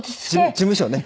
事務所ね。